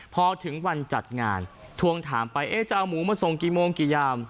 พอถึงวันจัดงานทวงถามไปเอ๊ะจะเอาหมูมาส่งกี่โมงกี่ยาม